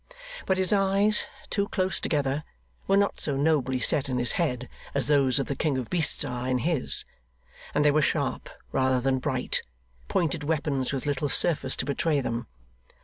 But his eyes, too close together, were not so nobly set in his head as those of the king of beasts are in his, and they were sharp rather than bright pointed weapons with little surface to betray them.